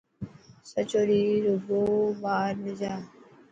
سچو ڏينهن رڳو ٻاهر نه جا.